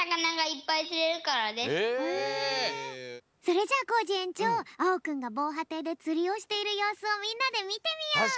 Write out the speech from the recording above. それじゃあコージえんちょうあおくんがぼうはていでつりをしているようすをみんなでみてみよう！